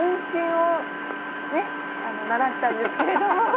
習ったんですけれども。